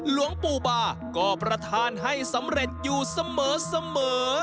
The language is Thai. หลวงปู่บาก็ประธานให้สำเร็จอยู่เสมอ